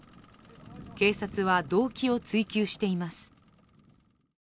警察は動機を追及しています。